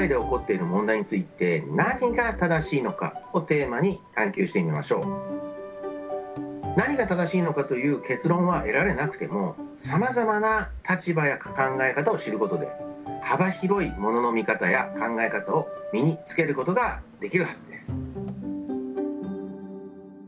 例えば募金をするという行動を選択したとしても皆さんも何が正しいのかという結論は得られなくてもさまざまな立場や考え方を知ることで幅広いものの見方や考え方を身につけることができるはずです。